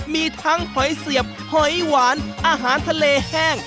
มีทั้งหอยเสียบหอยหวานอาหารทะเลแห้ง